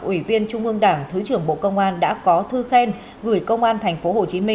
ủy viên trung ương đảng thứ trưởng bộ công an đã có thư khen gửi công an tp hcm